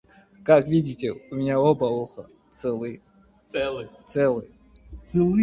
Как видите, у меня оба уха целы.